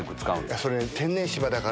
それ、天然芝だから。